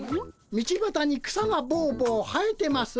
「道ばたに草がぼうぼう生えてます」。